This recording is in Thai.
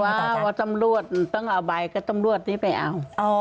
เขาว่าว่าตำรวจให้เอาใบต้องเอาใบก็ตำรวจนี้ไปเอา